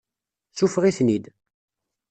Seffeɣ-iten-id.